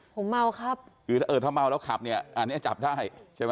ผมเมาครับคือถ้าเออถ้าเมาแล้วขับเนี่ยอันนี้จับได้ใช่ไหม